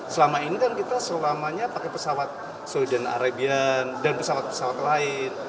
selama ini kan kita prakam pesawat schritt dan pesawat pesawat lain